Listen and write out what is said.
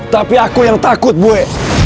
tapi aku yang takut bue